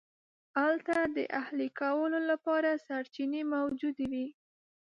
هلته د اهلي کولو لپاره سرچینې موجودې وې.